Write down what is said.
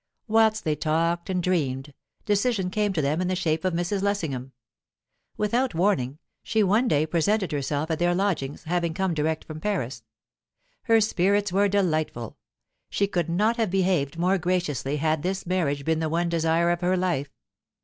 Whilst they talked and dreamed, decision came to them in the shape of Mrs. Lessingham. Without warning, she one day presented herself at their lodgings, having come direct from Paris. Her spirits were delightful; she could not have behaved more graciously had this marriage been the one desire of her life.